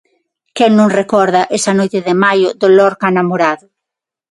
Quen non recorda esa noite de maio do Lorca Namorado?